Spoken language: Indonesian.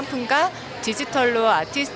memiliki produk yang sangat keren